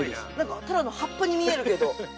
ただの葉っぱに見えるけど。